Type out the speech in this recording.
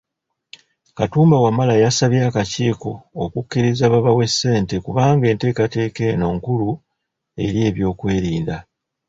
Katumba Wamala yasabye akakiiko okukkiriza babawe ssente kubanga enteekateeka eno nkulu eri eby'okwerinda